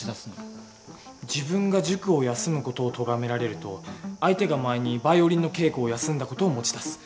自分が塾を休む事をとがめられると相手が前にヴァイオリンの稽古を休んだ事を持ち出す。